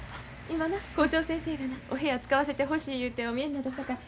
今な校長先生がなお部屋使わせてほしい言うてお見えになったさかい